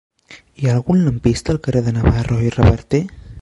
Hi ha algun lampista al carrer de Navarro i Reverter?